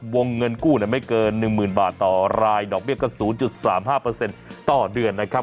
วงเงินกู้ไม่เกิน๑๐๐๐บาทต่อรายดอกเบี้ยก็๐๓๕ต่อเดือนนะครับ